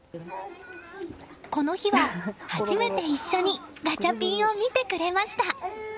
この日は初めて一緒にガチャピンを見てくれました。